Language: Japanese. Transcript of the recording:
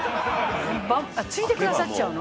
ついでくださっちゃうの？